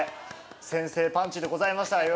先制パンチでございましたよよよ